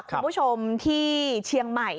คุณผู้ชมที่เชียงใหม่